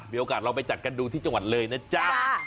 มีโอกาสลองไปจัดกันดูที่จังหวัดเลยนะจ๊ะ